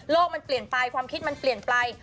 มันเปลี่ยนไปความคิดมันเปลี่ยนไป